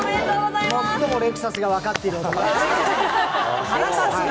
最もレクサスが分かっている男。